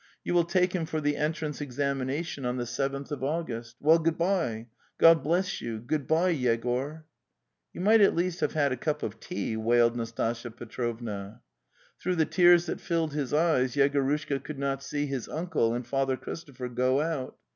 "' You will take him for the entrance examination on the seventh of August. ... Well, good bye; God bless you, good bye, Yegor!" * Louimight at least vhave 'had a) 'cupi@f tease wailed Nastasya Petrovna. Through the tears that filled his eyes Yegorushka could not see his uncle and Father Christopher go out.